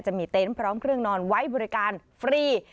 จะมีเต็นต์พร้อมเครื่องนอนไว้บริการฟรี